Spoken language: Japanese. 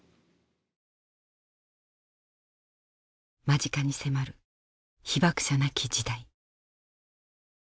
間近に迫る被爆者なき時代。